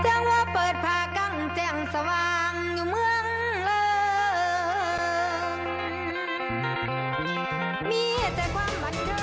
แจ้งว่าเปิดผ่ากางแจ้งสว่างอยู่เมืองเริ่มมีแค่ใจความบันเติม